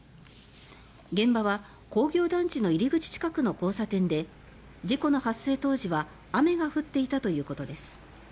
現場は工業団地の入り口近くの交差点で事故の発生当時は雨が降っていたということです。